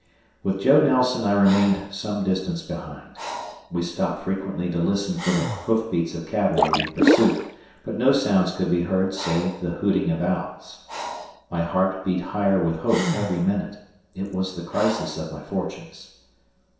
With Joe Nelson I remained some distance behind. We stopped frequently to listen for the hoofbeats of cavalry in pursuit, but no sounds could be heard save the hooting of owls. My heart beat higher with hope every minute; it was the crisis of my fortunes.